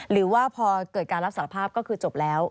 หรือว่าพอเกิดการรับสารภาพก็คือจบแล้ว